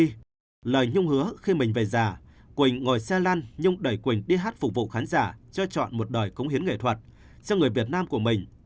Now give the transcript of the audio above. trong khi lời nhung hứa khi mình về già quỳnh ngồi xe lăn nhung đẩy quyền đi hát phục vụ khán giả cho chọn một đời cống hiến nghệ thuật cho người việt nam của mình